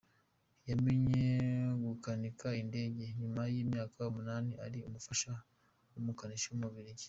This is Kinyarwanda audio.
Yamenye gukanika indege nyuma y’imyaka umunani ari umufasha w’umukanishi w’Umubiligi.